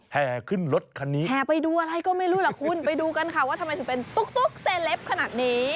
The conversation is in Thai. แห่ขึ้นรถคันนี้แห่ไปดูอะไรก็ไม่รู้ล่ะคุณไปดูกันค่ะว่าทำไมถึงเป็นตุ๊กเซเลปขนาดนี้